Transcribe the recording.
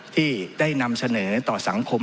ที่ได้นำเสนอต่อสังคม